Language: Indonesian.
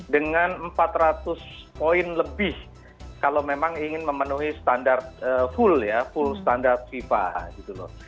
dengan empat ratus poin lebih kalau memang ingin memenuhi standar full ya full standar fifa gitu loh